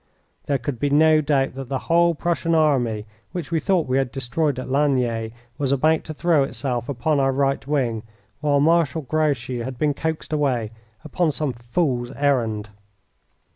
There could be no doubt that the whole Prussian army, which we thought we had destroyed at Ligny, was about to throw itself upon our right wing while Marshal Grouchy had been coaxed away upon some fool's errand.